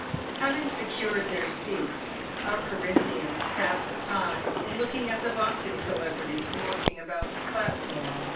Having secured their seats, our Corinthians passed the time in looking at the boxing celebrities walking about the platform.